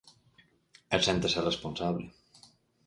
E séntese responsable.